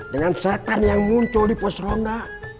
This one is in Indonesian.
dengan setan yang muncul di pos ronda